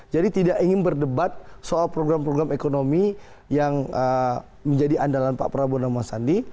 jadi tidak ingin berdebat soal program program ekonomi yang menjadi andalan pak prabowo dan bang sadi